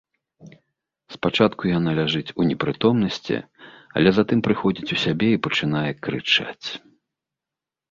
Спачатку яна ляжыць у непрытомнасці, але затым прыходзіць у сябе і пачынае крычаць.